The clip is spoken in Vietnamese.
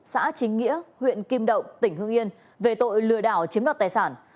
xã chính nghĩa huyện kim động tỉnh hương yên về tội lừa đảo chiếm đoạt tài sản